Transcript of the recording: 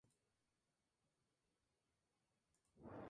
Fue sucedido por su hijo mayor Conrado "el Pacífico".